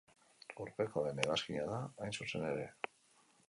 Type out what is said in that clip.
Urpeko lehen hegazkina da, hain zuzen ere.